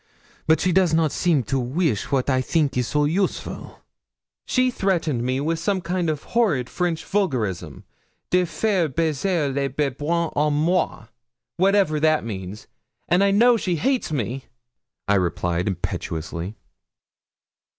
But she does not seem to weesh wat I think is so useful.' 'She threatened me with some horrid French vulgarism de faire baiser le babouin à moi, whatever that means; and I know she hates me,' I replied, impetuously.